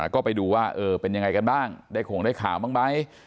ก็ไปดูว่าเป็นยังไงกันบ้างได้คงได้ข่าวบ้างไหม